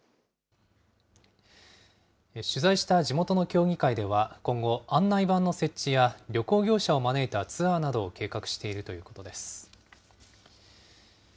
取材した地元の協議会では今後、案内板の設置や、旅行業者を招いたツアーなどを計画しているということです。